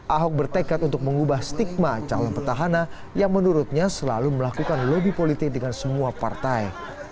ahok bertekad untuk mengubah stigma calon petahana yang menurutnya selalu melakukan lobby politik dengan semua partai